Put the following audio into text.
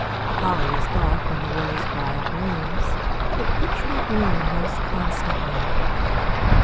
The holly is dark when the rose briar blooms, But which will bloom most constantly?